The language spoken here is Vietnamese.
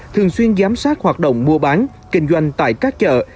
thường xuyên giám sát hoạt động mua bán kinh doanh tại các chợ